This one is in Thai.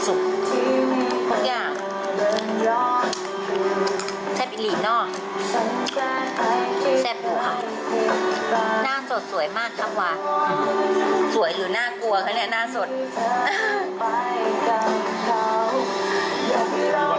ทุกอย่างแซ่บอินลีนเนอะแซ่บกว่าหน้าสดสวยมากครับว่าสวยหรือน่ากลัวครับเนี่ยหน้าสด